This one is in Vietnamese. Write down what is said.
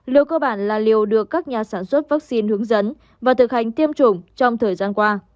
liệu cơ bản là liều được các nhà sản xuất vaccine hướng dẫn và thực hành tiêm chủng trong thời gian qua